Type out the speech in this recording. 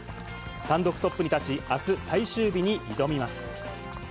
単独トップに立ち、あす、最終日に挑みます。